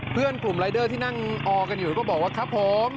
เพื่อนกลุ่มรายเดอร์ที่นั่งออกันอยู่ก็บอกว่าครับผม